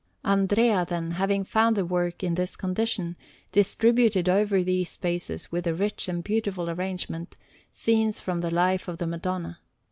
Andrea, then, having found the work in this condition, distributed over these spaces, with a rich and beautiful arrangement, scenes from the life of the Madonna.